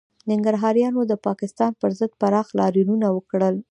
ننګرهاریانو د پاکستان پر ضد پراخ لاریونونه وکړل